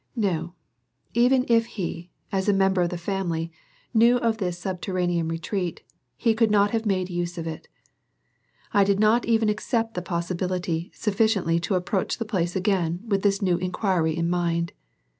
No, even if he, as a member of the family, knew of this subterranean retreat, he could not have made use of it. I did not even accept the possibility sufficiently to approach the place again with this new inquiry in mind.